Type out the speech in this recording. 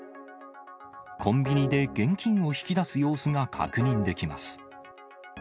コンビニで現金を引き出す様子が確認できます。